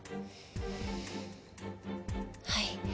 はい。